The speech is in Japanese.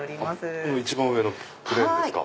一番上のプレーンですか。